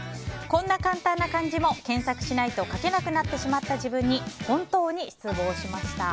こんな簡単な漢字も検索しないと書けなくなってしまった自分に本当に失望しました。